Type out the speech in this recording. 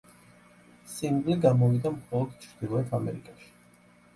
სინგლი გამოვიდა მხოლოდ ჩრდილოეთ ამერიკაში.